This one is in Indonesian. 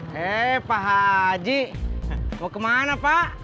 hei pak haji mau kemana pak